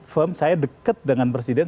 firm saya dekat dengan presiden